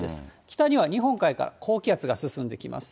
北には日本海から高気圧が進んできます。